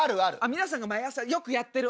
皆さんが毎朝よくやってる？